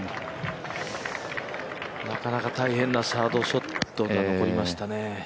なかなか大変なサードショットが残りましたね。